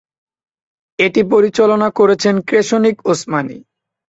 এটি পরিচালনা করেছেন ক্রেশনিক ওসমানী।